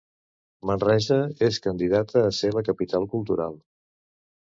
Manresa és candidata a ser la capital cultural.